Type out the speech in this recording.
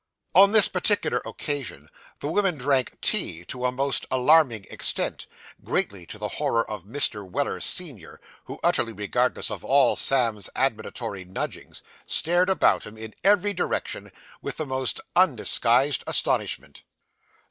On this particular occasion the women drank tea to a most alarming extent; greatly to the horror of Mr. Weller, senior, who, utterly regardless of all Sam's admonitory nudgings, stared about him in every direction with the most undisguised astonishment.